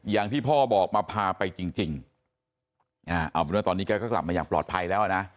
อย่างที่พ่อบอกมาพาไปจริงเอาเป็นว่าตอนนี้แกก็กลับมาอย่างปลอดภัยแล้วนะ